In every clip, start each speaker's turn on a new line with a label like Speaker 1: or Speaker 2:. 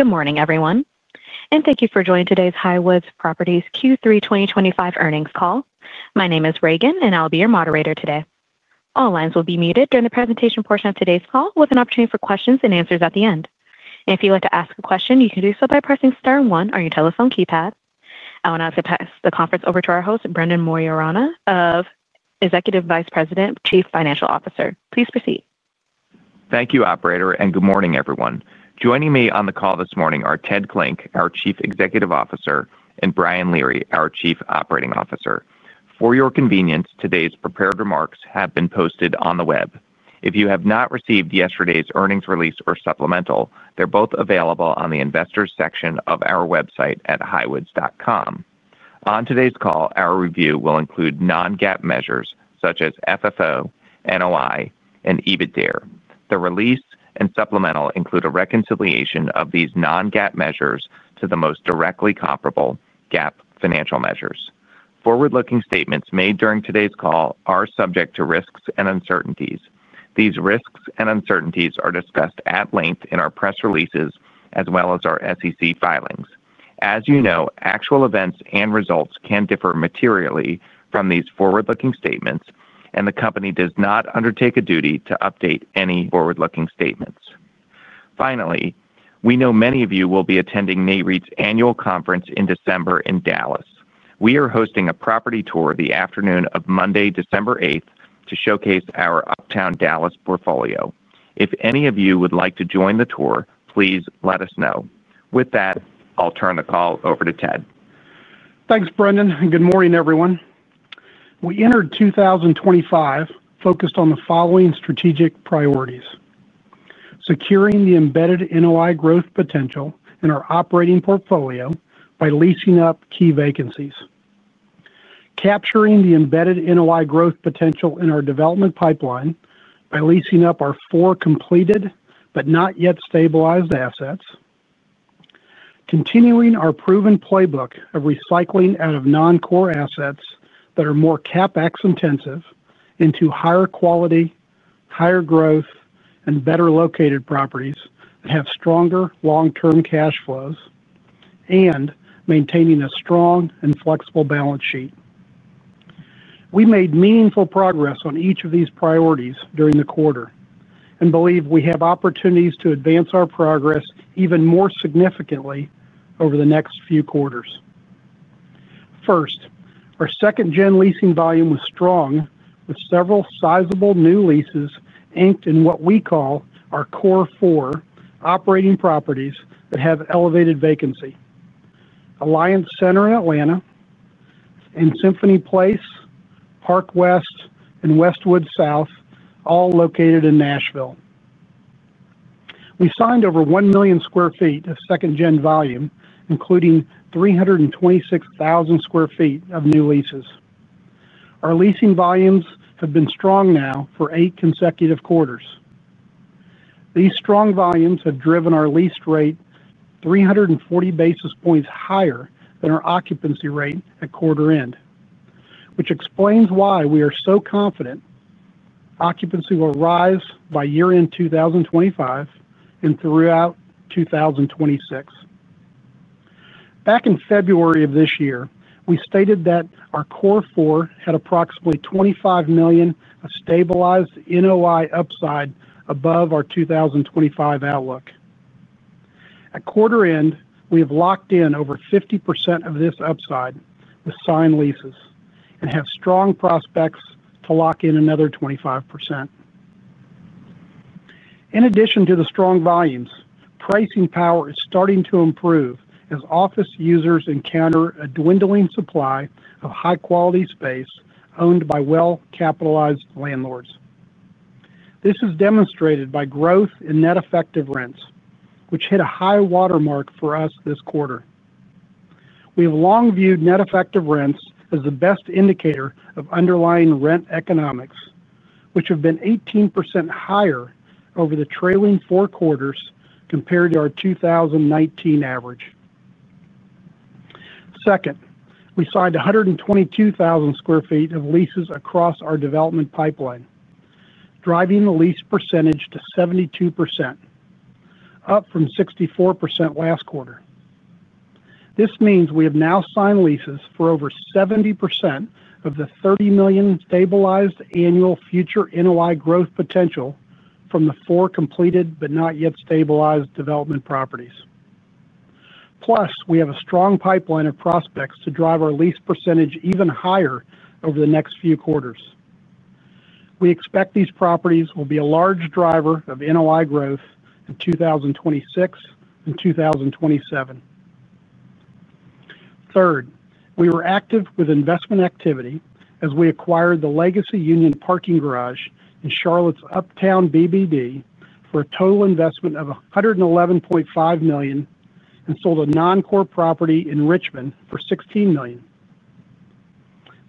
Speaker 1: Good morning, everyone, and thank you for joining today's Highwoods Properties Q3 2025 earnings call. My name is Reagan, and I'll be your moderator today. All lines will be muted during the presentation portion of today's call, with an opportunity for questions and answers at the end. If you'd like to ask a question, you can do so by pressing star one on your telephone keypad. I want to ask the conference over to our host, Brendan Maiorana, Executive Vice President, Chief Financial Officer. Please proceed.
Speaker 2: Thank you, operator, and good morning, everyone. Joining me on the call this morning are Ted Klinck, our Chief Executive Officer, and Brian Leary, our Chief Operating Officer. For your convenience, today's prepared remarks have been posted on the web. If you have not received yesterday's earnings release or supplemental, they're both available on the Investors section of our website at highwoods.com. On today's call, our review will include non-GAAP measures such as FFO, NOI, and EBITDA. The release and supplemental include a reconciliation of these non-GAAP measures to the most directly comparable GAAP financial measures. Forward-looking statements made during today's call are subject to risks and uncertainties. These risks and uncertainties are discussed at length in our press releases as well as our SEC filings. As you know, actual events and results can differ materially from these forward-looking statements, and the company does not undertake a duty to update any forward-looking statements. Finally, we know many of you will be attending Nareit's annual conference in December in Dallas. We are hosting a property tour the afternoon of Monday, December 8, to showcase our Uptown Dallas portfolio. If any of you would like to join the tour, please let us know. With that, I'll turn the call over to Ted.
Speaker 3: Thanks, Brendan, and good morning, everyone. We entered 2025 focused on the following strategic priorities: securing the embedded NOI growth potential in our operating portfolio by leasing up key vacancies, capturing the embedded NOI growth potential in our development pipeline by leasing up our four completed but not yet stabilized assets, continuing our proven playbook of recycling out of non-core assets that are more CapEx intensive into higher quality, higher growth, and better located properties that have stronger long-term cash flows, and maintaining a strong and flexible balance sheet. We made meaningful progress on each of these priorities during the quarter and believe we have opportunities to advance our progress even more significantly over the next few quarters. First, our second-gen leasing volume was strong, with several sizable new leases anchored in what we call our core four operating properties that have elevated vacancy: Alliance Center in Atlanta and Symphony Place, Park West, and Westwood South, all located in Nashville. We signed over 1 million sq ft of second-gen volume, including 326,000 sq ft of new leases. Our leasing volumes have been strong now for eight consecutive quarters. These strong volumes have driven our lease rate 340 basis points higher than our occupancy rate at quarter end, which explains why we are so confident that occupancy will rise by year-end 2025 and throughout 2026. Back in February of this year, we stated that our core four had approximately $25 million of stabilized NOI upside above our 2025 outlook. At quarter end, we have locked in over 50% of this upside with signed leases and have strong prospects to lock in another 25%. In addition to the strong volumes, pricing power is starting to improve as office users encounter a dwindling supply of high-quality space owned by well-capitalized landlords. This is demonstrated by growth in net effective rents, which hit a high watermark for us this quarter. We have long viewed net effective rents as the best indicator of underlying rent economics, which have been 18% higher over the trailing four quarters compared to our 2019 average. Second, we signed 122,000 sq ft of leases across our development pipeline, driving the lease percentage to 72%, up from 64% last quarter. This means we have now signed leases for over 70% of the $30 million stabilized annual future NOI growth potential from the four completed but not yet stabilized development properties. Plus, we have a strong pipeline of prospects to drive our lease percentage even higher over the next few quarters. We expect these properties will be a large driver of NOI growth in 2026 and 2027. Third, we were active with investment activity as we acquired the Legacy Union Parking Garage in Charlotte's Uptown BBD for a total investment of $111.5 million and sold a non-core property in Richmond for $16 million.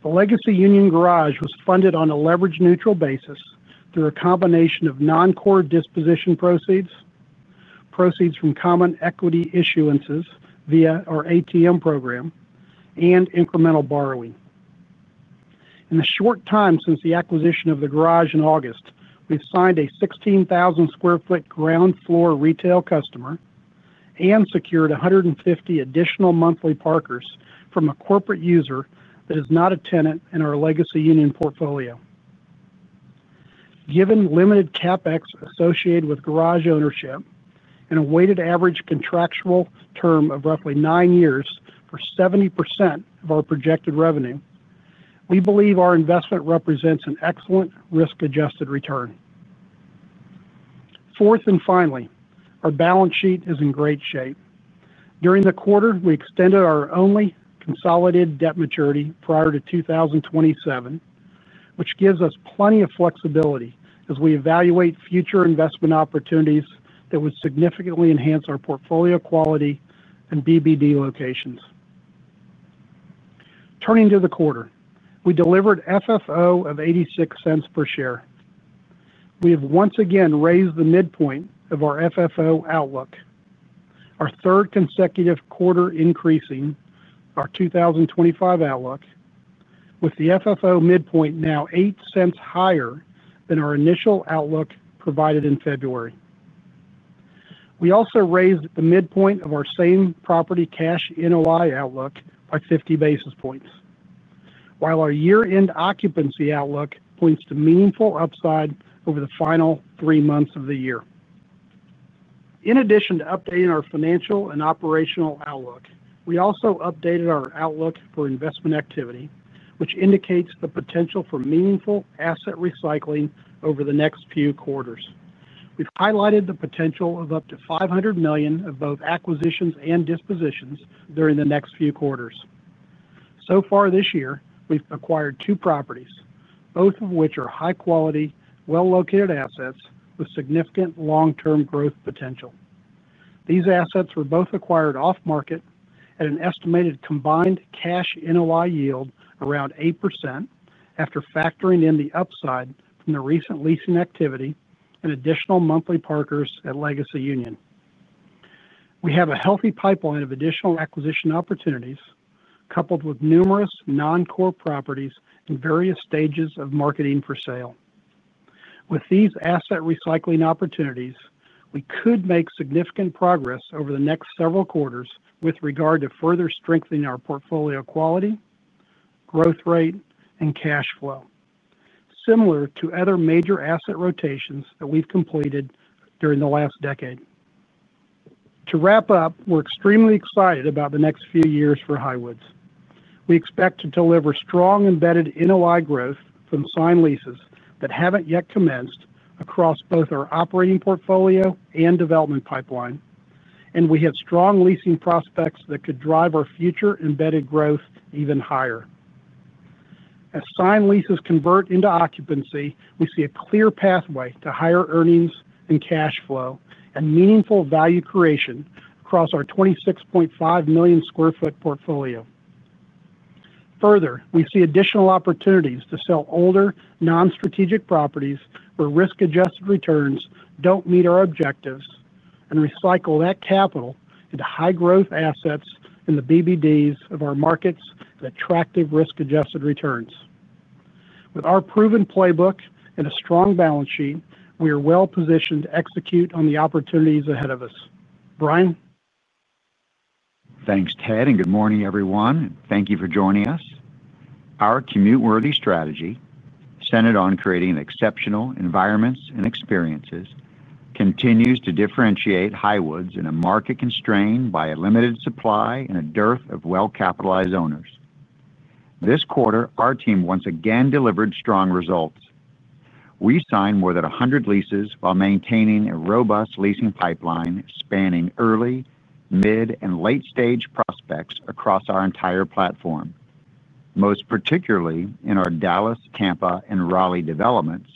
Speaker 3: The Legacy Union Garage was funded on a leverage-neutral basis through a combination of non-core disposition proceeds, proceeds from common equity issuances via our ATM program, and incremental borrowing. In the short time since the acquisition of the garage in August, we've signed a 16,000 sq ft ground floor retail customer and secured 150 additional monthly parkers from a corporate user that is not a tenant in our Legacy Union portfolio. Given limited CapEx associated with garage ownership and a weighted average contractual term of roughly nine years for 70% of our projected revenue, we believe our investment represents an excellent risk-adjusted return. Fourth and finally, our balance sheet is in great shape. During the quarter, we extended our only consolidated debt maturity prior to 2027, which gives us plenty of flexibility as we evaluate future investment opportunities that would significantly enhance our portfolio quality and BBD locations. Turning to the quarter, we delivered FFO of $0.86 per share. We have once again raised the midpoint of our FFO outlook, our third consecutive quarter increasing our 2025 outlook, with the FFO midpoint now $0.08 higher than our initial outlook provided in February. We also raised the midpoint of our same-property cash NOI outlook by 50 basis points, while our year-end occupancy outlook points to meaningful upside over the final three months of the year. In addition to updating our financial and operational outlook, we also updated our outlook for investment activity, which indicates the potential for meaningful asset recycling over the next few quarters. We've highlighted the potential of up to $500 million of both acquisitions and dispositions during the next few quarters. So far this year, we've acquired two properties, both of which are high-quality, well-located assets with significant long-term growth potential. These assets were both acquired off-market at an estimated combined cash NOI yield around 8% after factoring in the upside from the recent leasing activity and additional monthly parkers at Legacy Union. We have a healthy pipeline of additional acquisition opportunities, coupled with numerous non-core properties in various stages of marketing for sale. With these asset recycling opportunities, we could make significant progress over the next several quarters with regard to further strengthening our portfolio quality, growth rate, and cash flow, similar to other major asset rotations that we've completed during the last decade. To wrap up, we're extremely excited about the next few years for Highwoods. We expect to deliver strong embedded NOI growth from signed leases that haven't yet commenced across both our operating portfolio and development pipeline, and we have strong leasing prospects that could drive our future embedded growth even higher. As signed leases convert into occupancy, we see a clear pathway to higher earnings and cash flow and meaningful value creation across our 26.5 million sq ft portfolio. Further, we see additional opportunities to sell older non-strategic properties where risk-adjusted returns don't meet our objectives and recycle that capital into high-growth assets in the BBDs of our markets with attractive risk-adjusted returns. With our proven playbook and a strong balance sheet, we are well positioned to execute on the opportunities ahead of us. Brian.
Speaker 4: Thanks, Ted, and good morning, everyone, and thank you for joining us. Our commute-worthy strategy, centered on creating exceptional environments and experiences, continues to differentiate Highwoods in a market constrained by a limited supply and a dearth of well-capitalized owners. This quarter, our team once again delivered strong results. We signed more than 100 leases while maintaining a robust leasing pipeline spanning early, mid, and late-stage prospects across our entire platform, most particularly in our Dallas, Tampa, and Raleigh developments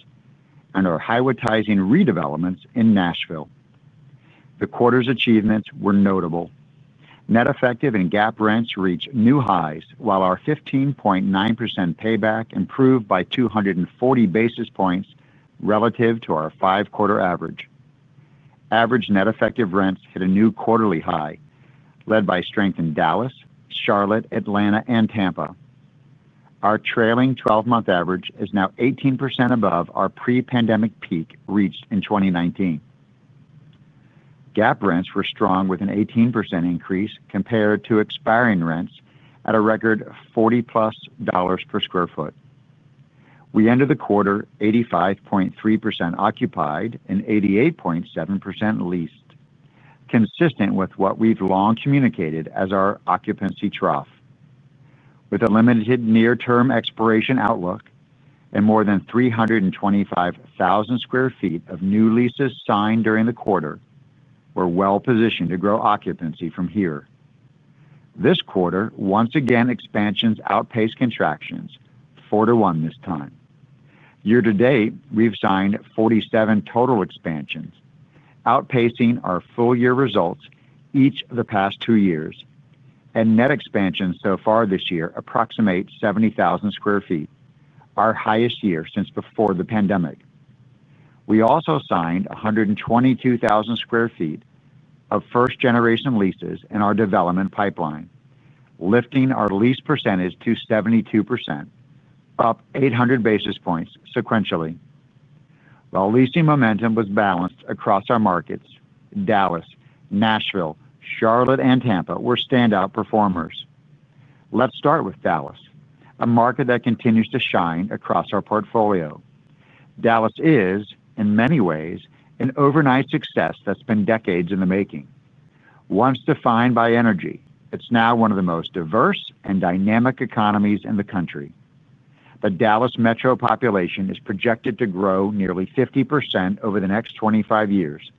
Speaker 4: and our Highwoods sizing redevelopments in Nashville. The quarter's achievements were notable. Net effective and GAAP rents reached new highs, while our 15.9% payback improved by 240 basis points relative to our five-quarter average. Average net effective rents hit a new quarterly high, led by strength in Dallas, Charlotte, Atlanta, and Tampa. Our trailing 12-month average is now 18% above our pre-pandemic peak reached in 2019. GAAP rents were strong with an 18% increase compared to expiring rents at a record of $40+ per square foot. We ended the quarter 85.3% occupied and 88.7% leased, consistent with what we've long communicated as our occupancy trough. With a limited near-term expiration outlook and more than 325,000 sq ft of new leases signed during the quarter, we're well positioned to grow occupancy from here. This quarter, once again, expansions outpaced contractions four to one this time. Year to date, we've signed 47 total expansions, outpacing our full-year results each of the past two years, and net expansions so far this year approximate 70,000 sq ft, our highest year since before the pandemic. We also signed 122,000 sq ft of first-generation leases in our development pipeline, lifting our lease percentage to 72%, up 800 basis points sequentially. While leasing momentum was balanced across our markets, Dallas, Nashville, Charlotte, and Tampa were standout performers. Let's start with Dallas, a market that continues to shine across our portfolio. Dallas is, in many ways, an overnight success that's been decades in the making. Once defined by energy, it's now one of the most diverse and dynamic economies in the country. The Dallas metro population is projected to grow nearly 50% over the next 25 years,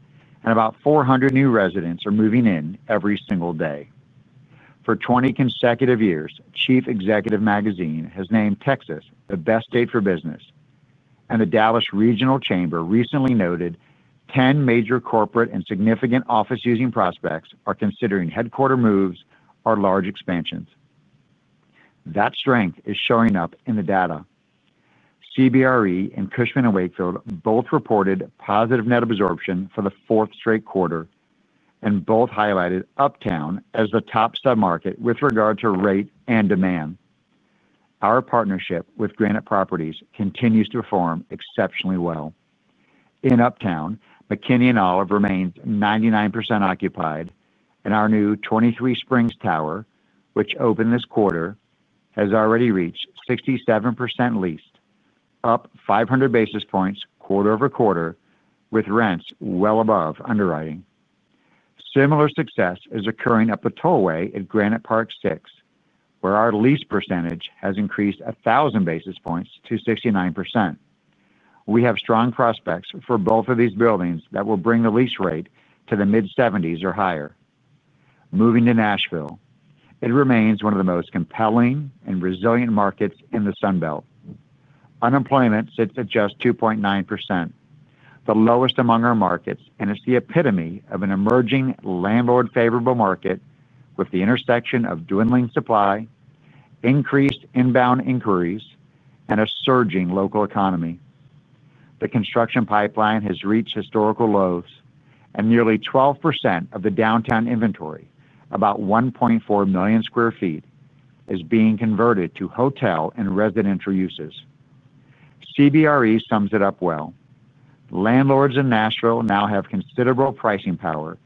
Speaker 4: and about 400 new residents are moving in every single day. For 20 consecutive years, Chief Executive Magazine has named Texas the best state for business, and the Dallas Regional Chamber recently noted 10 major corporate and significant office-using prospects are considering headquarter moves or large expansions. That strength is showing up in the data. CBRE and Cushman & Wakefield both reported positive net absorption for the fourth straight quarter, and both highlighted Uptown as the top submarket with regard to rate and demand. Our partnership with Granite Properties continues to perform exceptionally well. In Uptown, McKinney & Olive remains 99% occupied, and our new 23Springs Tower, which opened this quarter, has already reached 67% leased, up 500 basis points quarter over quarter, with rents well above underwriting. Similar success is occurring at the tollway at Granite Park Six, where our lease percentage has increased 1,000 basis points to 69%. We have strong prospects for both of these buildings that will bring the lease rate to the mid-70s or higher. Moving to Nashville, it remains one of the most compelling and resilient markets in the Sunbelt. Unemployment sits at just 2.9%, the lowest among our markets, and it's the epitome of an emerging landlord-favorable market with the intersection of dwindling supply, increased inbound inquiries, and a surging local economy. The construction pipeline has reached historical lows, and nearly 12% of the downtown inventory, about 1.4 million sq ft, is being converted to hotel and residential uses. CBRE sums it up well. Landlords in Nashville now have considerable pricing power,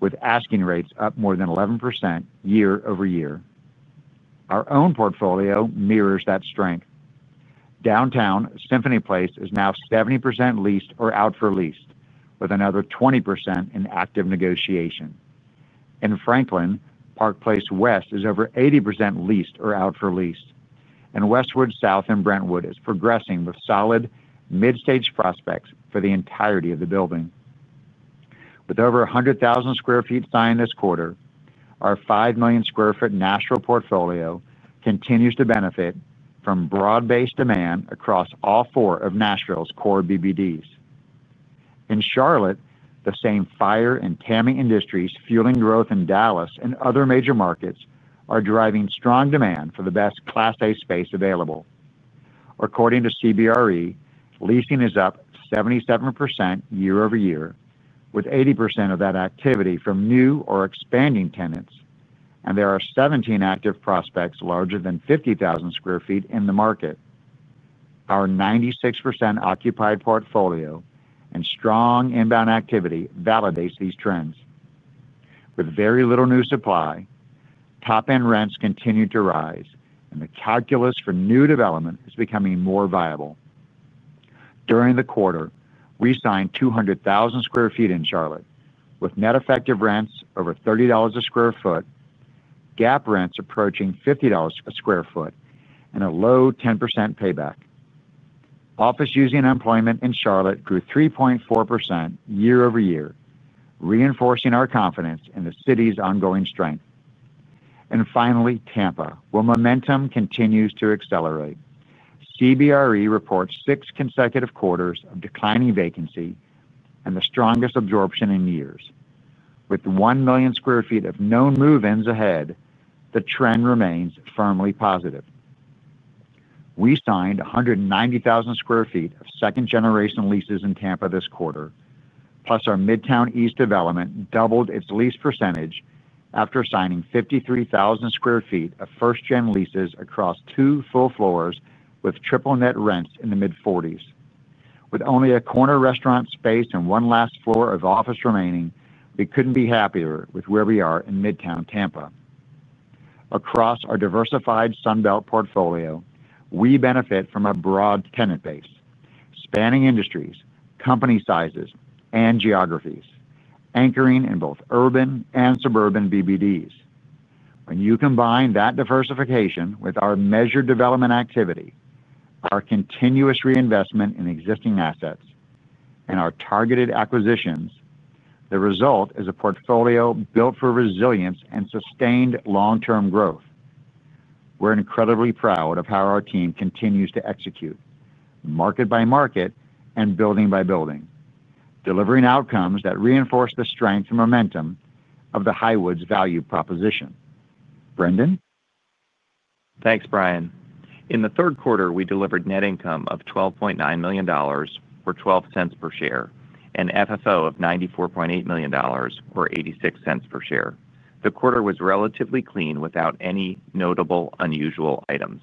Speaker 4: with asking rates up more than 11% year-over-year. Our own portfolio mirrors that strength. Downtown, Symphony Place is now 70% leased or out for lease, with another 20% in active negotiation. In Franklin, Park West is over 80% leased or out for lease, and Westwood South in Brentwood is progressing with solid mid-stage prospects for the entirety of the building. With over 100,000 sq ft signed this quarter, our 5 million sq ft Nashville portfolio continues to benefit from broad-based demand across all four of Nashville's core BBDs. In Charlotte, the same fire and technology industries fueling growth in Dallas and other major markets are driving strong demand for the best Class A space available. According to CBRE, leasing is up 77% year-over-year, with 80% of that activity from new or expanding tenants, and there are 17 active prospects larger than 50,000 sq ft in the market. Our 96% occupied portfolio and strong inbound activity validate these trends. With very little new supply, top-end rents continue to rise, and the calculus for new development is becoming more viable. During the quarter, we signed 200,000 sq ft in Charlotte, with net effective rents over $30 a square foot, GAAP rents approaching $50 a square foot, and a low 10% payback. Office using employment in Charlotte grew 3.4% year-over-year, reinforcing our confidence in the city's ongoing strength. Finally, Tampa, where momentum continues to accelerate. CBRE reports six consecutive quarters of declining vacancy and the strongest absorption in years. With 1 million sq ft of known move-ins ahead, the trend remains firmly positive. We signed 190,000 sq ft of second-generation leases in Tampa this quarter, plus our Midtown East development doubled its lease percentage after signing 53,000 sq ft of first-gen leases across two full floors with triple net rents in the mid-40s. With only a corner restaurant space and one last floor of office remaining, we couldn't be happier with where we are in Midtown Tampa. Across our diversified Sunbelt portfolio, we benefit from a broad tenant base, spanning industries, company sizes, and geographies, anchoring in both urban and suburban BBDs. When you combine that diversification with our measured development activity, our continuous reinvestment in existing assets, and our targeted acquisitions, the result is a portfolio built for resilience and sustained long-term growth. We're incredibly proud of how our team continues to execute, market by market and building by building, delivering outcomes that reinforce the strength and momentum of the Highwoods value proposition. Brendan.
Speaker 2: Thanks, Brian. In the third quarter, we delivered net income of $12.9 million or $0.12 per share and FFO of $94.8 million or $0.86 per share. The quarter was relatively clean without any notable unusual items.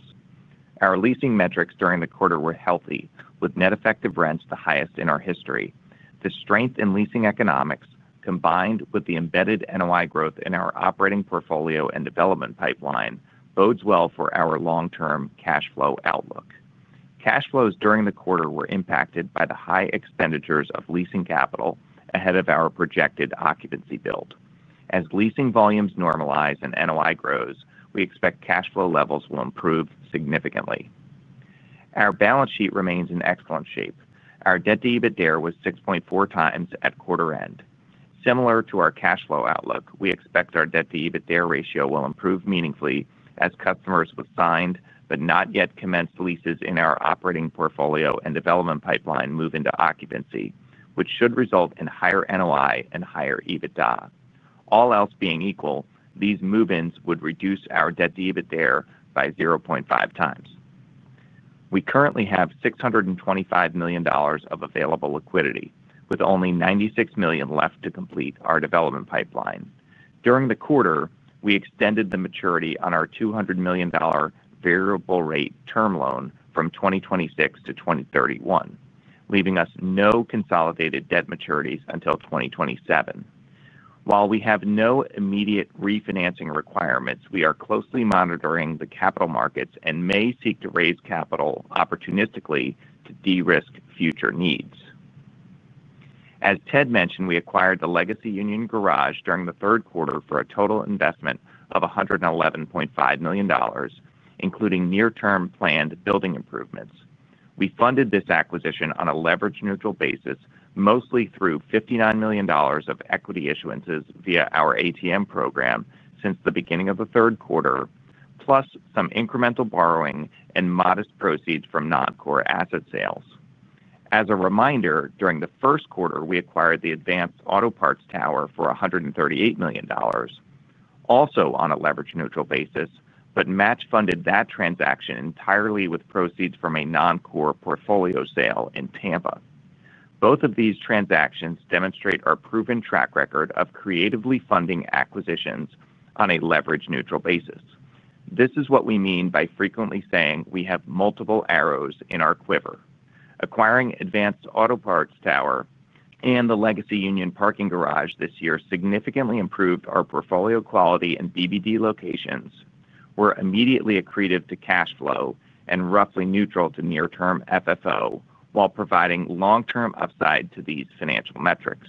Speaker 2: Our leasing metrics during the quarter were healthy, with net effective rents the highest in our history. The strength in leasing economics, combined with the embedded NOI growth in our operating portfolio and development pipeline, bodes well for our long-term cash flow outlook. Cash flows during the quarter were impacted by the high expenditures of leasing capital ahead of our projected occupancy build. As leasing volumes normalize and NOI grows, we expect cash flow levels will improve significantly. Our balance sheet remains in excellent shape. Our debt to EBITDA was 6.4x at quarter end. Similar to our cash flow outlook, we expect our debt to EBITDA ratio will improve meaningfully as customers with signed but not yet commenced leases in our operating portfolio and development pipeline move into occupancy, which should result in higher NOI and higher EBITDA. All else being equal, these move-ins would reduce our debt to EBITDA by 0.5x. We currently have $625 million of available liquidity, with only $96 million left to complete our development pipeline. During the quarter, we extended the maturity on our $200 million variable rate term loan from 2026 to 2031, leaving us no consolidated debt maturities until 2027. While we have no immediate refinancing requirements, we are closely monitoring the capital markets and may seek to raise capital opportunistically to de-risk future needs. As Ted mentioned, we acquired Legacy Union Parking Garage during the third quarter for a total investment of $111.5 million, including near-term planned building improvements. We funded this acquisition on a leverage-neutral basis, mostly through $59 million of equity issuances via our ATM equity issuances program since the beginning of the third quarter, plus some incremental borrowing and modest proceeds from non-core asset sales. As a reminder, during the first quarter, we acquired the Advance Auto Parts Tower for $138 million, also on a leverage-neutral basis, but match-funded that transaction entirely with proceeds from a non-core portfolio sale in Tampa. Both of these transactions demonstrate our proven track record of creatively funding acquisitions on a leverage-neutral basis. This is what we mean by frequently saying we have multiple arrows in our quiver. Acquiring Advance Auto Parts Tower and the Legacy Union Parking Garage this year significantly improved our portfolio quality and BBD locations. We're immediately accretive to cash flow and roughly neutral to near-term FFO while providing long-term upside to these financial metrics.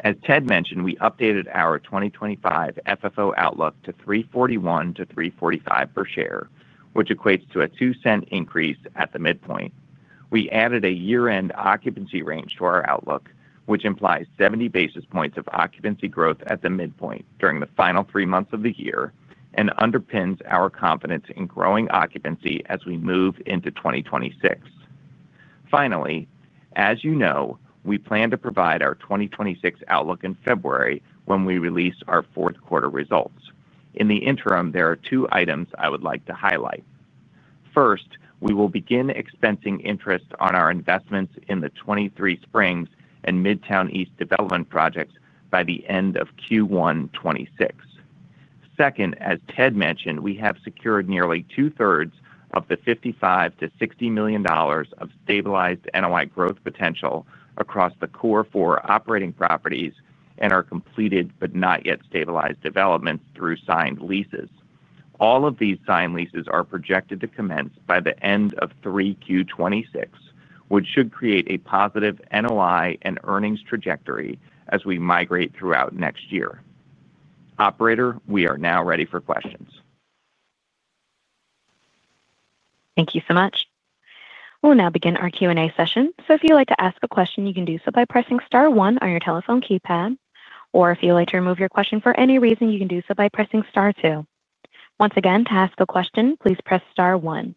Speaker 2: As Ted mentioned, we updated our 2025 FFO outlook to $3.41-$3.45 per share, which equates to a $0.02 increase at the midpoint. We added a year-end occupancy range to our outlook, which implies 70 basis points of occupancy growth at the midpoint during the final three months of the year and underpins our confidence in growing occupancy as we move into 2026. Finally, as you know, we plan to provide our 2026 outlook in February when we release our fourth quarter results. In the interim, there are two items I would like to highlight. First, we will begin expensing interest on our investments in the 23Springs and Midtown East development projects by the end of Q1 2026. Second, as Ted mentioned, we have secured nearly 2/3 of the $55 million-60 million of stabilized NOI growth potential across the core four operating properties and our completed but not yet stabilized developments through signed leases. All of these signed leases are projected to commence by the end of Q3 2026, which should create a positive NOI and earnings trajectory as we migrate throughout next year. Operator, we are now ready for questions.
Speaker 1: Thank you so much. We'll now begin our Q&A session. If you'd like to ask a question, you can do so by pressing star one on your telephone keypad. If you'd like to remove your question for any reason, you can do so by pressing star two. Once again, to ask a question, please press star one.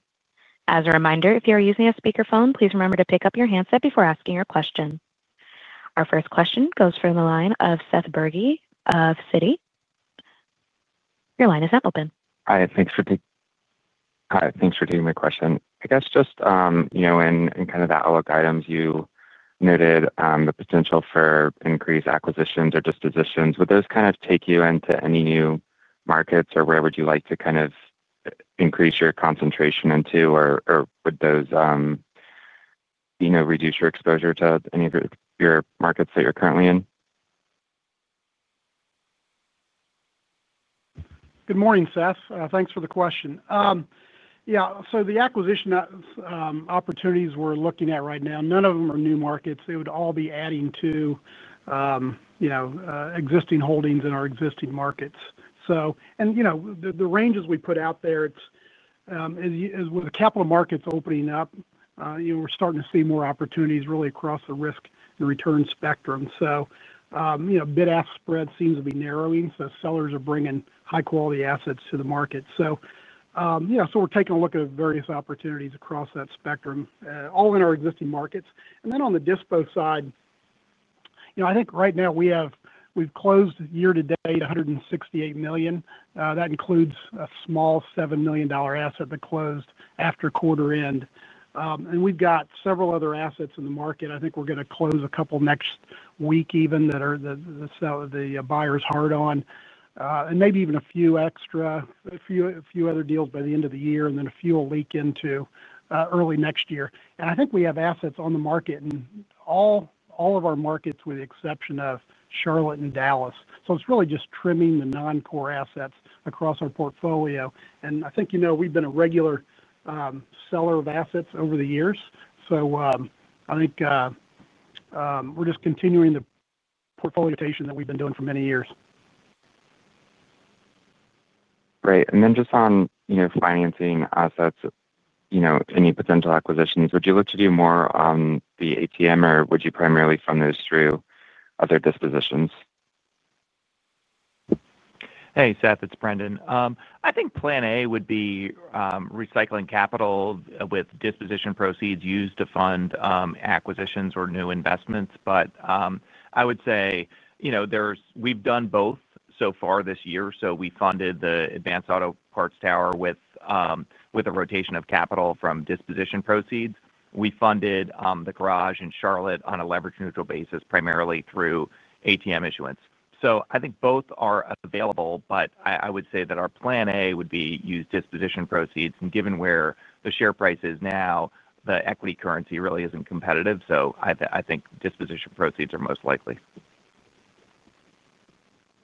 Speaker 1: As a reminder, if you're using a speakerphone, please remember to pick up your handset before asking your question. Our first question comes from the line of Seth Berge of Citi. Your line is now open.
Speaker 5: Hi, thanks for taking my question. I guess just in the outlook items, you noted the potential for increased acquisitions or dispositions. Would those take you into any new markets, or where would you like to increase your concentration, or would those reduce your exposure to any of your markets that you're currently in?
Speaker 3: Good morning, Seth. Thanks for the question. Yeah, the acquisition opportunities we're looking at right now, none of them are new markets. They would all be adding to existing holdings in our existing markets. The ranges we put out there, as the capital markets are opening up, we're starting to see more opportunities really across the risk and return spectrum. The bid-ask spread seems to be narrowing, so sellers are bringing high-quality assets to the market. We're taking a look at various opportunities across that spectrum, all in our existing markets. On the dispo side, right now we have closed year to date $168 million. That includes a small $7 million asset that closed after quarter end. We've got several other assets in the market. I think we're going to close a couple next week even that are the buyers hard on, and maybe even a few other deals by the end of the year, and then a few will leak into early next year. We have assets on the market in all of our markets with the exception of Charlotte and Dallas. It's really just trimming the non-core assets across our portfolio. We've been a regular seller of assets over the years. We're just continuing the portfolio rotation that we've been doing for many years.
Speaker 5: Great. Just on financing assets, you know, any potential acquisitions, would you look to do more on the ATM, or would you primarily fund those through other dispositions?
Speaker 2: Hey, Seth, it's Brendan. I think plan A would be recycling capital with disposition proceeds used to fund acquisitions or new investments. I would say, you know, we've done both so far this year. We funded the Advance Auto Parts Tower with a rotation of capital from disposition proceeds. We funded the garage in Charlotte on a leverage-neutral basis, primarily through ATM issuance. I think both are available. I would say that our plan A would be use disposition proceeds. Given where the share price is now, the equity currency really isn't competitive. I think disposition proceeds are most likely.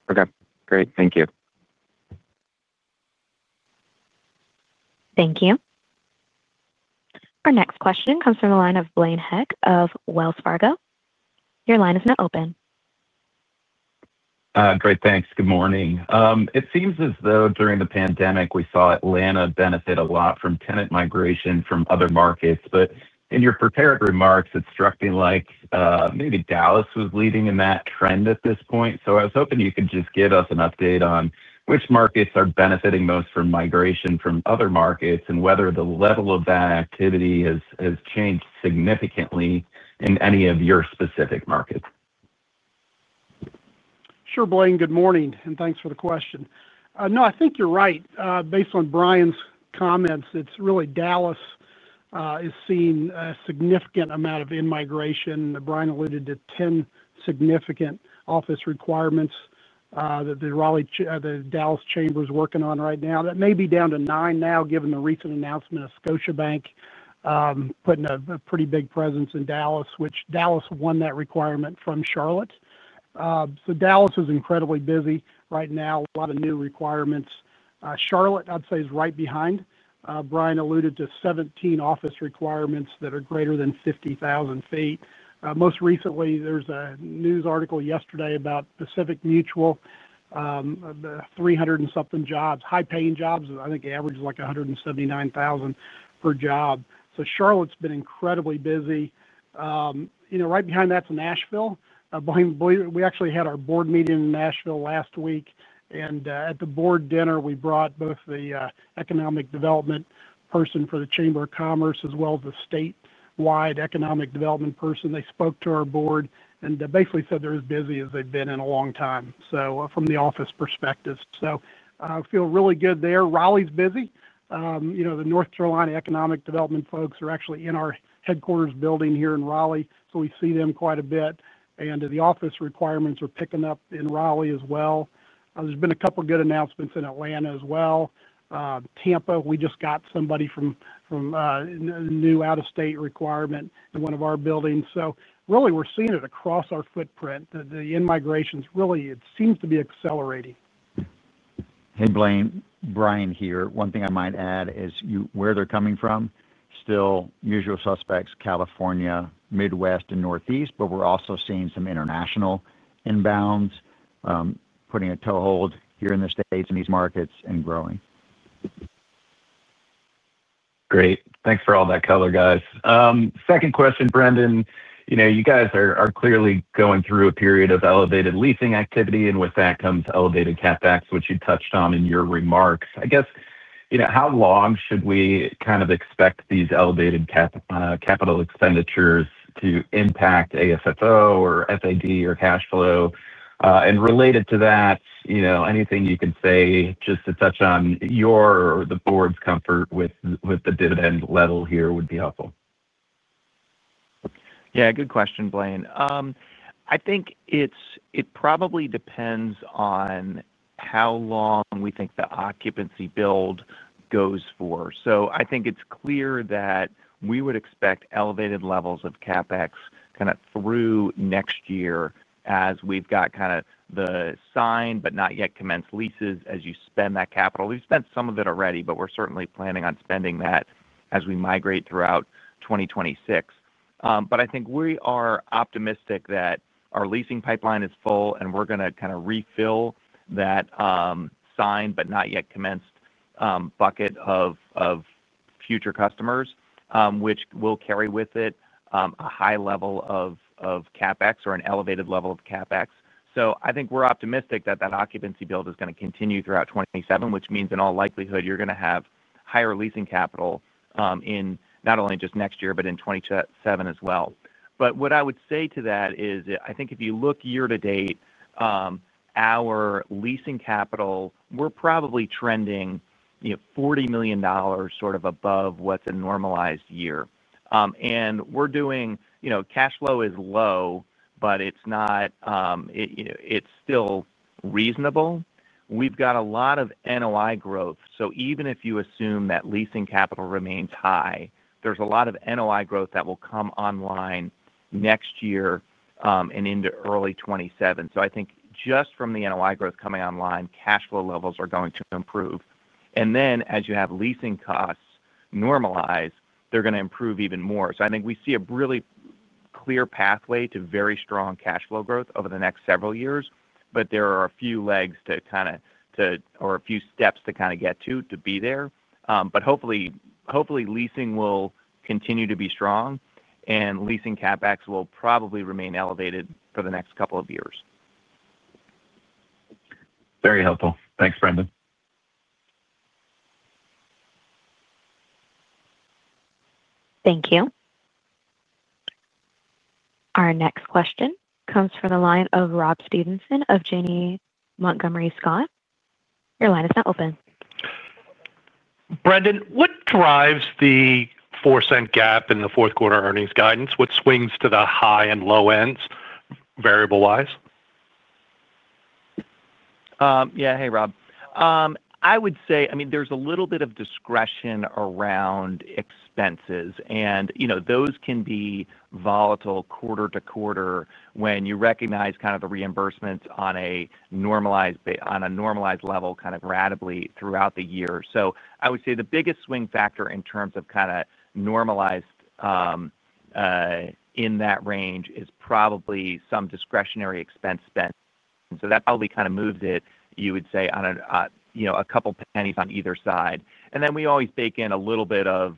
Speaker 5: Okay. Great. Thank you.
Speaker 1: Thank you. Our next question comes from the line of Blaine Heck of Wells Fargo. Your line is now open.
Speaker 6: Great, thanks. Good morning. It seems as though during the pandemic, we saw Atlanta benefit a lot from tenant migration from other markets. In your prepared remarks, it struck me like maybe Dallas was leading in that trend at this point. I was hoping you could just give us an update on which markets are benefiting most from migration from other markets and whether the level of that activity has changed significantly in any of your specific markets.
Speaker 3: Sure, Blaine. Good morning, and thanks for the question. No, I think you're right. Based on Brian's comments, it's really Dallas is seeing a significant amount of in-migration. Brian alluded to 10 significant office requirements that the Dallas Chamber is working on right now. That may be down to nine now, given the recent announcement of Scotiabank putting a pretty big presence in Dallas, which Dallas won that requirement from Charlotte. Dallas is incredibly busy right now, a lot of new requirements. Charlotte, I'd say, is right behind. Brian alluded to 17 office requirements that are greater than 50,000 ft. Most recently, there was a news article yesterday about Pacific Mutual, 300 and something jobs, high-paying jobs. I think the average is like $179,000 per job. Charlotte's been incredibly busy. Right behind that's Nashville. We actually had our board meeting in Nashville last week. At the board dinner, we brought both the economic development person for the Chamber of Commerce as well as the statewide economic development person. They spoke to our board and basically said they're as busy as they've been in a long time, from the office perspective. I feel really good there. Raleigh's busy. The North Carolina Economic Development folks are actually in our headquarters building here in Raleigh, so we see them quite a bit. The office requirements are picking up in Raleigh as well. There's been a couple of good announcements in Atlanta as well. Tampa, we just got somebody from a new out-of-state requirement in one of our buildings. We're seeing it across our footprint. The in-migration really, it seems to be accelerating.
Speaker 4: Hey, Blaine. Brian here. One thing I might add is where they're coming from, still usual suspects: California, Midwest, and Northeast, but we're also seeing some international inbounds putting a toehold here in the States in these markets and growing.
Speaker 6: Great. Thanks for all that color, guys. Second question, Brendan. You know, you guys are clearly going through a period of elevated leasing activity, and with that comes elevated CapEx, which you touched on in your remarks. I guess, you know, how long should we kind of expect these elevated capital expenditures to impact ASFO or FAD or cash flow? Related to that, anything you could say just to touch on your or the board's comfort with the dividend level here would be helpful.
Speaker 2: Yeah, good question, Blaine. I think it probably depends on how long we think the occupancy build goes for. I think it's clear that we would expect elevated levels of CapEx through next year as we've got the signed but not yet commenced leases as you spend that capital. We've spent some of it already, but we're certainly planning on spending that as we migrate throughout 2026. I think we are optimistic that our leasing pipeline is full, and we're going to refill that signed but not yet commenced bucket of future customers, which will carry with it a high level of CapEx or an elevated level of CapEx. I think we're optimistic that that occupancy build is going to continue throughout 2027, which means in all likelihood you're going to have higher leasing capital in not only just next year, but in 2027 as well. What I would say to that is I think if you look year to date, our leasing capital, we're probably trending $40 million above what's a normalized year. We're doing, you know, cash flow is low, but it's not, you know, it's still reasonable. We've got a lot of NOI growth. Even if you assume that leasing capital remains high, there's a lot of NOI growth that will come online next year and into early 2027. I think just from the NOI growth coming online, cash flow levels are going to improve. As you have leasing costs normalize, they're going to improve even more. I think we see a really clear pathway to very strong cash flow growth over the next several years, but there are a few legs to kind of, or a few steps to kind of get to, to be there. Hopefully, hopefully leasing will continue to be strong, and leasing CapEx will probably remain elevated for the next couple of years.
Speaker 6: Very helpful. Thanks, Brendan.
Speaker 1: Thank you. Our next question comes from the line of Rob Stevenson of Janney Montgomery Scott. Your line is now open.
Speaker 7: Brendan, what drives the $0.04 gap in the fourth quarter earnings guidance? What swings to the high and low ends variable-wise?
Speaker 2: Yeah, hey, Rob. I would say there's a little bit of discretion around expenses, and those can be volatile quarter to quarter when you recognize the reimbursements on a normalized level rapidly throughout the year. I would say the biggest swing factor in terms of normalized in that range is probably some discretionary expense spend. That probably moves it, you would say, a couple pennies on either side. We always bake in a little bit of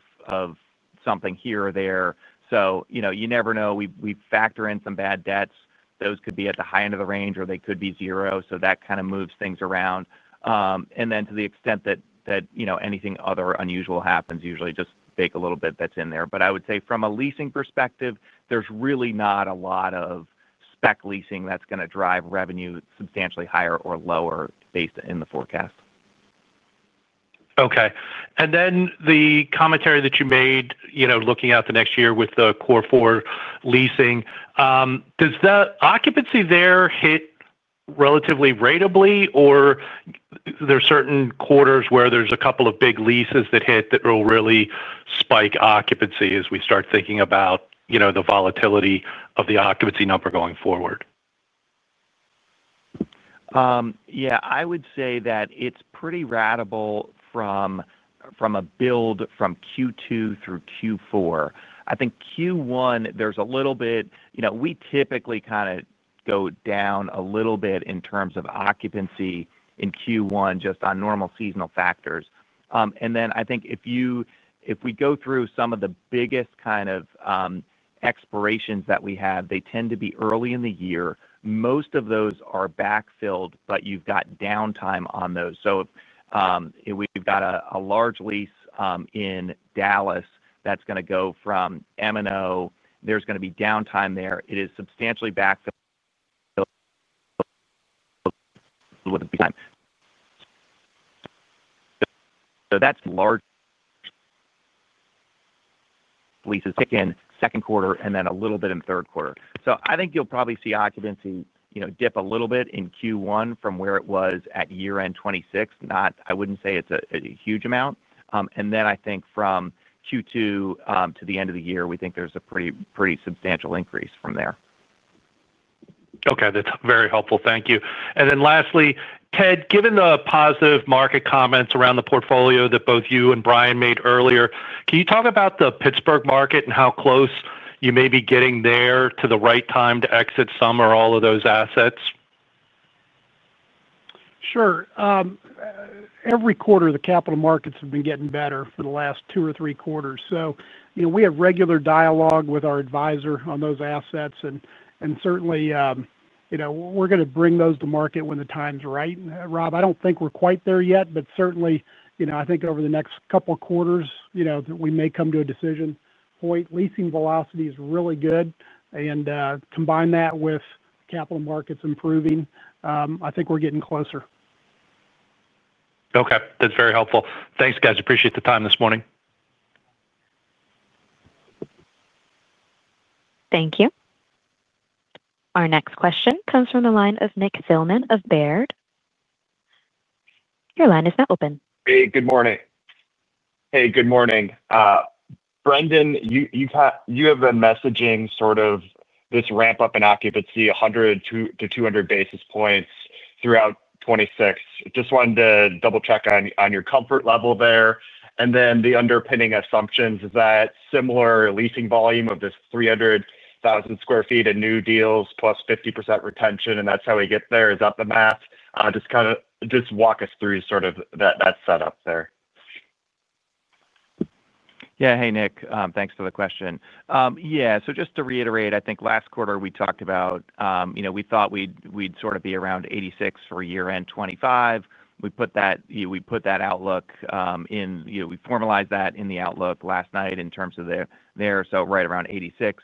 Speaker 2: something here or there. You never know. We factor in some bad debts. Those could be at the high end of the range, or they could be zero. That kind of moves things around. To the extent that anything other unusual happens, usually just bake a little bit that's in there. I would say from a leasing perspective, there's really not a lot of spec leasing that's going to drive revenue substantially higher or lower based in the forecast.
Speaker 7: Okay. The commentary that you made, looking out the next year with the core four leasing, does the occupancy there hit relatively ratably, or are there certain quarters where there's a couple of big leases that hit that will really spike occupancy as we start thinking about the volatility of the occupancy number going forward?
Speaker 2: Yeah, I would say that it's pretty ratable from a build from Q2 through Q4. I think Q1, there's a little bit, you know, we typically kind of go down a little bit in terms of occupancy in Q1 just on normal seasonal factors. I think if we go through some of the biggest kind of expirations that we have, they tend to be early in the year. Most of those are backfilled, but you've got downtime on those. If we've got a large lease in Dallas that's going to go from M&O, there's going to be downtime there. It is substantially backfilled. Large leases kick in second quarter and then a little bit in third quarter. I think you'll probably see occupancy dip a little bit in Q1 from where it was at year-end 2026. I wouldn't say it's a huge amount. I think from Q2 to the end of the year, we think there's a pretty substantial increase from there.
Speaker 7: Okay, that's very helpful. Thank you. Lastly, Ted, given the positive market comments around the portfolio that both you and Brian made earlier, can you talk about the Pittsburgh market and how close you may be getting there to the right time to exit some or all of those assets?
Speaker 3: Every quarter, the capital markets have been getting better for the last two or three quarters. We have regular dialogue with our advisor on those assets, and certainly, we're going to bring those to market when the time's right. Rob, I don't think we're quite there yet, but certainly, I think over the next couple of quarters, we may come to a decision point. Leasing velocity is really good, and combined with capital markets improving, I think we're getting closer.
Speaker 7: Okay, that's very helpful. Thanks, guys. Appreciate the time this morning.
Speaker 1: Thank you. Our next question comes from the line of Nick Thillman of Baird. Your line is now open.
Speaker 8: Hey, good morning. Brendan, you have been messaging sort of this ramp-up in occupancy 100 to 200 basis points throughout 2026. Just wanted to double-check on your comfort level there. The underpinning assumptions, is that similar leasing volume of this 300,000 sq ft in new deals plus 50% retention, and that's how we get there? Is that the math? Just kind of walk us through sort of that setup there.
Speaker 2: Yeah, hey, Nick. Thanks for the question. Just to reiterate, I think last quarter we talked about, you know, we thought we'd sort of be around 86 for year-end 2025. We put that outlook in, you know, we formalized that in the outlook last night in terms of there, so right around 86.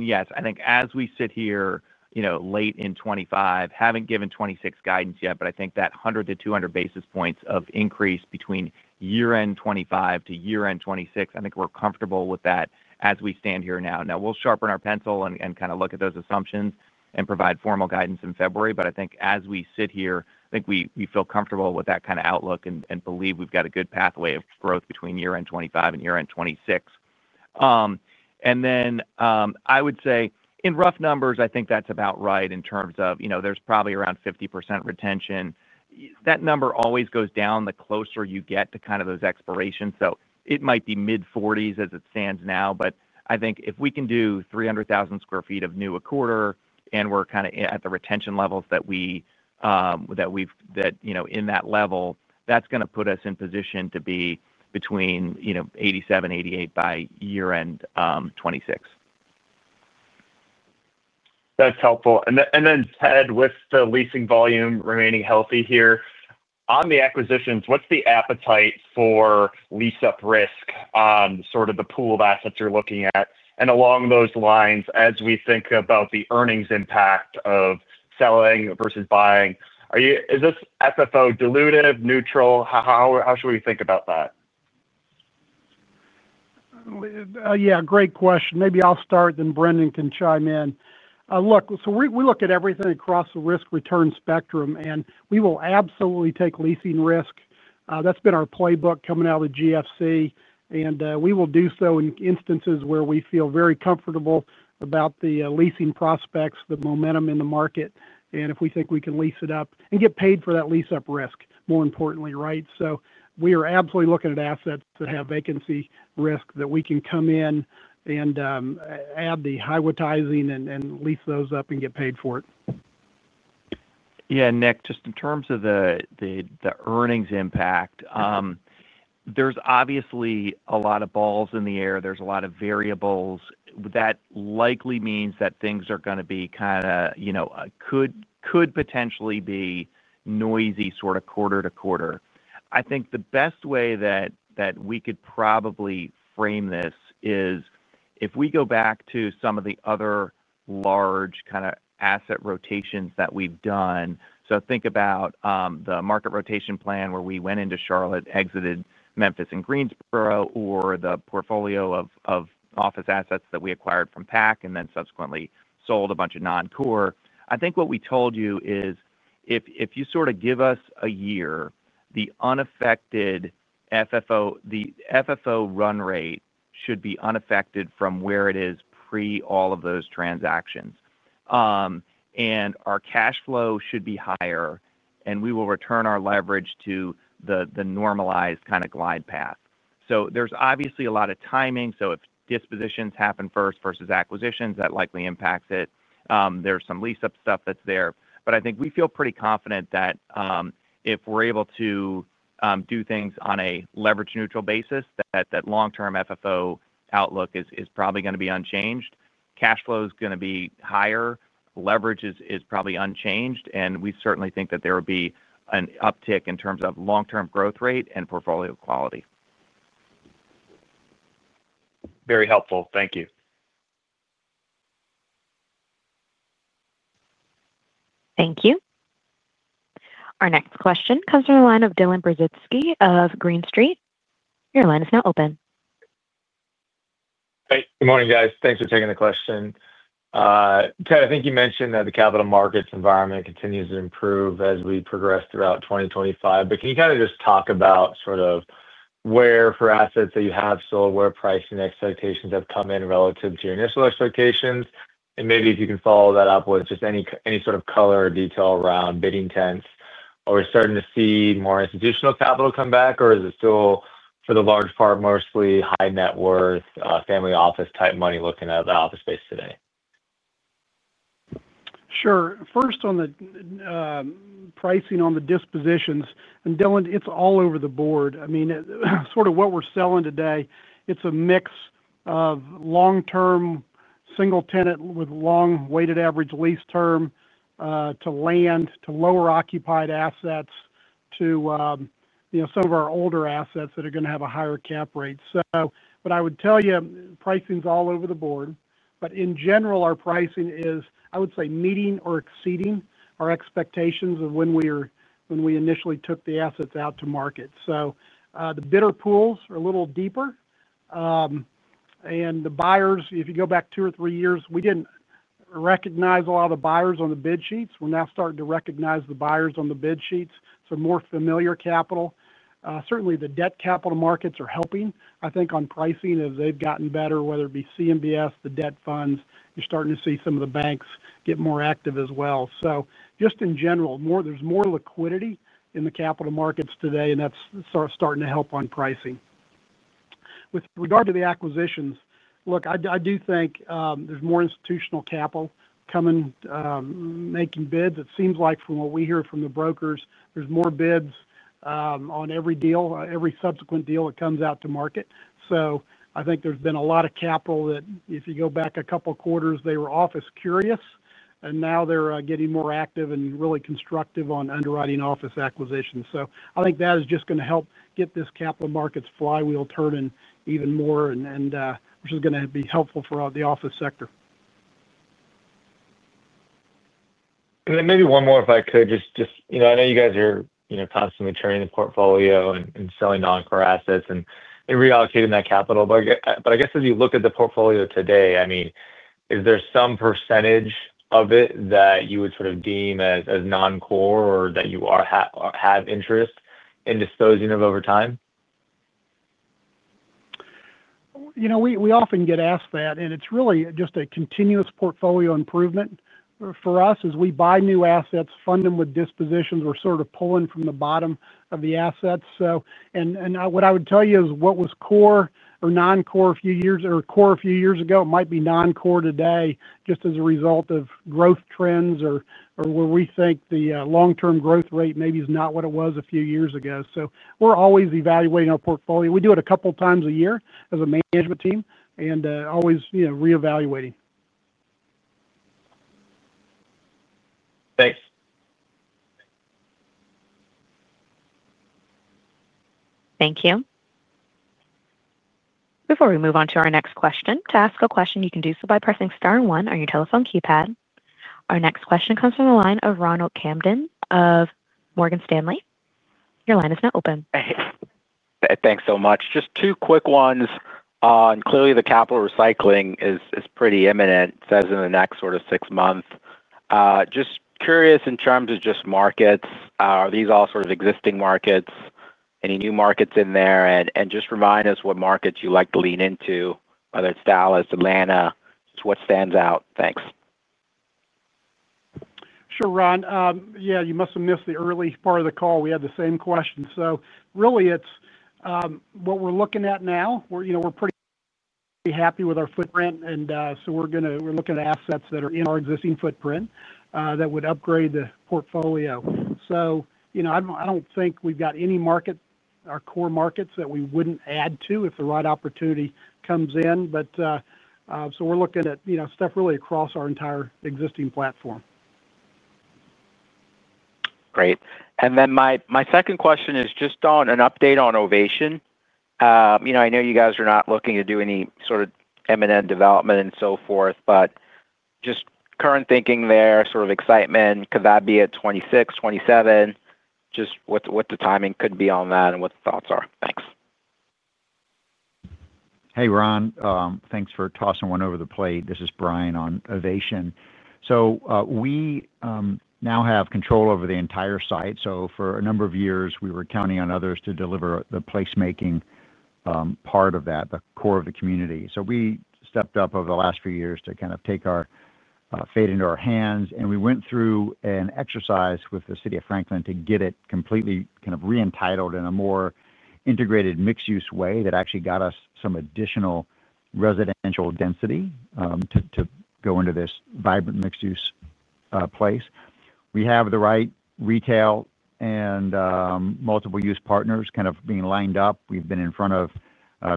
Speaker 2: Yes, I think as we sit here, you know, late in 2025, haven't given 2026 guidance yet, but I think that 100 to 200 basis points of increase between year-end 2025 to year-end 2026, I think we're comfortable with that as we stand here now. We'll sharpen our pencil and kind of look at those assumptions and provide formal guidance in February, but I think as we sit here, I think we feel comfortable with that kind of outlook and believe we've got a good pathway of growth between year-end 2025 and year-end 2026. I would say in rough numbers, I think that's about right in terms of, you know, there's probably around 50% retention. That number always goes down the closer you get to kind of those expirations. It might be mid-40s as it stands now, but I think if we can do 300,000 sq ft of new a quarter and we're kind of at the retention levels that we, that we've, that, you know, in that level, that's going to put us in position to be between, you know, 87, 88 by year-end 2026.
Speaker 8: That's helpful. Ted, with the leasing volume remaining healthy here, on the acquisitions, what's the appetite for lease-up risk on sort of the pool of assets you're looking at? Along those lines, as we think about the earnings impact of selling versus buying, is this FFO dilutive, neutral? How should we think about that?
Speaker 3: Yeah, great question. Maybe I'll start, then Brendan can chime in. Look, we look at everything across the risk return spectrum, and we will absolutely take leasing risk. That's been our playbook coming out of the GFC, and we will do so in instances where we feel very comfortable about the leasing prospects, the momentum in the market, and if we think we can lease it up and get paid for that lease-up risk, more importantly, right? We are absolutely looking at assets that have vacancy risk that we can come in and add the Highwoods ties in and lease those up and get paid for it.
Speaker 2: Yeah, Nick, just in terms of the earnings impact, there's obviously a lot of balls in the air. There's a lot of variables. That likely means that things are going to be kind of, you know, could potentially be noisy quarter to quarter. I think the best way that we could probably frame this is if we go back to some of the other large asset rotations that we've done. Think about the market rotation plan where we went into Charlotte, exited Memphis and Greensboro, or the portfolio of office assets that we acquired from PAC and then subsequently sold a bunch of non-core. I think what we told you is if you sort of give us a year, the unaffected FFO, the FFO run rate should be unaffected from where it is pre all of those transactions. Our cash flow should be higher, and we will return our leverage to the normalized kind of glide path. There's obviously a lot of timing. If dispositions happen first versus acquisitions, that likely impacts it. There's some lease-up stuff that's there. I think we feel pretty confident that if we're able to do things on a leverage-neutral basis, that long-term FFO outlook is probably going to be unchanged. Cash flow is going to be higher. Leverage is probably unchanged, and we certainly think that there will be an uptick in terms of long-term growth rate and portfolio quality.
Speaker 8: Very helpful. Thank you.
Speaker 1: Thank you. Our next question comes from the line of Dylan Burzinski of Green Street. Your line is now open.
Speaker 9: Hey, good morning, guys. Thanks for taking the question. Ted, I think you mentioned that the capital markets environment continues to improve as we progress throughout 2025. Can you kind of just talk about where for assets that you have sold, where pricing expectations have come in relative to your initial expectations? Maybe if you can follow that up with just any sort of color or detail around bidding tents. Are we starting to see more institutional capital come back, or is it still for the large part mostly high net worth family office type money looking at the office space today?
Speaker 3: Sure. First on the pricing on the dispositions, and Dylan, it's all over the board. I mean, sort of what we're selling today, it's a mix of long-term single tenant with long weighted average lease term to land to lower occupied assets to some of our older assets that are going to have a higher cap rate. I would tell you, pricing's all over the board. In general, our pricing is, I would say, meeting or exceeding our expectations of when we initially took the assets out to market. The bidder pools are a little deeper. The buyers, if you go back two or three years, we didn't recognize a lot of the buyers on the bid sheets. We're now starting to recognize the buyers on the bid sheets. More familiar capital. Certainly, the debt capital markets are helping. I think on pricing, as they've gotten better, whether it be CMBS, the debt funds, you're starting to see some of the banks get more active as well. In general, there's more liquidity in the capital markets today, and that's starting to help on pricing. With regard to the acquisitions, look, I do think there's more institutional capital coming making bids. It seems like from what we hear from the brokers, there's more bids on every deal, every subsequent deal that comes out to market. I think there's been a lot of capital that, if you go back a couple of quarters, they were office curious, and now they're getting more active and really constructive on underwriting office acquisitions. I think that is just going to help get this capital markets flywheel turning even more, which is going to be helpful for the office sector.
Speaker 9: Maybe one more, if I could, I know you guys are constantly turning the portfolio and selling non-core assets and reallocating that capital. I guess as you look at the portfolio today, is there some percentage of it that you would sort of deem as non-core or that you have interest in disposing of over time?
Speaker 3: We often get asked that, and it's really just a continuous portfolio improvement for us as we buy new assets, fund them with dispositions. We're sort of pulling from the bottom of the assets. What I would tell you is what was core or non-core a few years, or core a few years ago, it might be non-core today just as a result of growth trends or where we think the long-term growth rate maybe is not what it was a few years ago. We're always evaluating our portfolio. We do it a couple of times a year as a management team and always reevaluating.
Speaker 9: Thanks.
Speaker 1: Thank you. Before we move on to our next question, to ask a question, you can do so by pressing star one on your telephone keypad. Our next question comes from the line of Ronald Kamdem of Morgan Stanley. Your line is now open.
Speaker 10: Thanks so much. Just two quick ones. Clearly, the capital recycling is pretty imminent. In the next sort of six months, just curious in terms of just markets, are these all sort of existing markets? Any new markets in there? Just remind us what markets you like to lean into, whether it's Dallas, Atlanta, just what stands out. Thanks.
Speaker 3: Sure, Ron. You must have missed the early part of the call. We had the same question. Really, it's what we're looking at now. We're pretty happy with our footprint, and we're looking at assets that are in our existing footprint that would upgrade the portfolio. I don't think we've got any markets, our core markets, that we wouldn't add to if the right opportunity comes in. We're looking at stuff really across our entire existing platform.
Speaker 10: Great. My second question is just on an update on Ovation. I know you guys are not looking to do any sort of M&M development and so forth, but just current thinking there, sort of excitement, could that be at 2026, 2027? Just what the timing could be on that and what the thoughts are. Thanks.
Speaker 4: Hey, Ron. Thanks for tossing one over the plate. This is Brian on Ovation. We now have control over the entire site. For a number of years, we were counting on others to deliver the placemaking part of that, the core of the community. We stepped up over the last few years to kind of take our fate into our hands, and we went through an exercise with the City of Franklin to get it completely kind of reentitled in a more integrated mixed-use way that actually got us some additional residential density to go into this vibrant mixed-use place. We have the right retail and multiple-use partners kind of being lined up. We've been in front of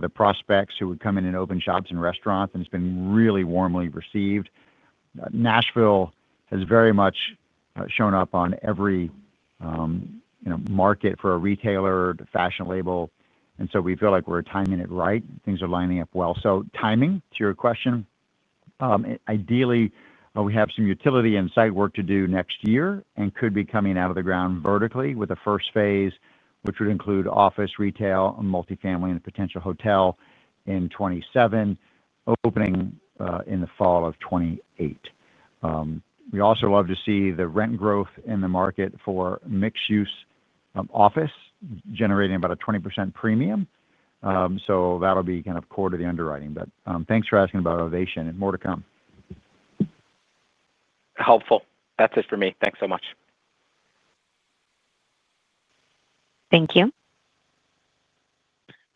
Speaker 4: the prospects who would come in and open shops and restaurants, and it's been really warmly received. Nashville has very much shown up on every, you know, market for a retailer, fashion label. We feel like we're timing it right. Things are lining up well. Timing to your question, ideally, we have some utility and site work to do next year and could be coming out of the ground vertically with the first phase, which would include office, retail, and multifamily and potential hotel in 2027, opening in the fall of 2028. We also love to see the rent growth in the market for mixed-use office generating about a 20% premium. That'll be kind of core to the underwriting. Thanks for asking about Ovation. More to come.
Speaker 10: Helpful. That's it for me. Thanks so much.
Speaker 1: Thank you.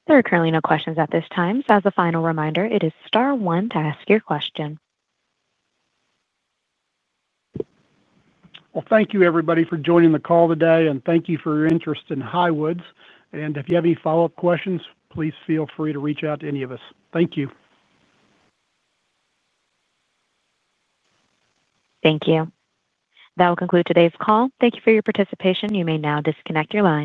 Speaker 1: There are currently no questions at this time. As a final reminder, it is star one to ask your question.
Speaker 3: Thank you, everybody, for joining the call today, and thank you for your interest in Highwoods. If you have any follow-up questions, please feel free to reach out to any of us. Thank you.
Speaker 1: Thank you. That will conclude today's call. Thank you for your participation. You may now disconnect your line.